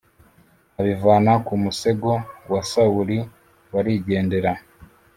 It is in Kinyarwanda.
abivana ku musego wa Sawuli barigendera